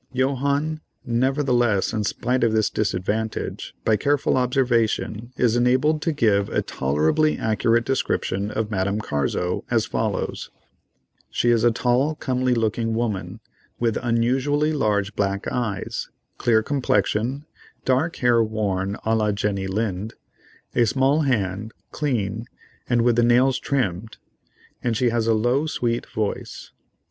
Johannes, nevertheless, in spite of this disadvantage, by careful observation, is enabled to give a tolerably accurate description of Madame Carzo, as follows: She is a tall, comely looking woman, with unusually large black eyes, clear complexion, dark hair worn à la Jenny Lind, a small hand, clean, and with the nails trimmed, and she has a low sweet voice.